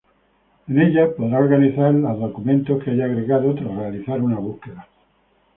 En ella podrá organizar los documentos que haya agregado, tras realizar una búsqueda.